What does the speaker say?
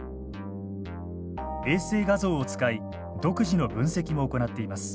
衛星画像を使い独自の分析も行っています。